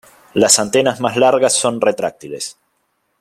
Las antenas más largas son retráctiles.